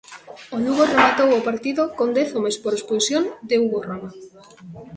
O Lugo rematou o partido con dez homes por expulsión de Hugo Rama.